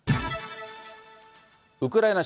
ウクライナ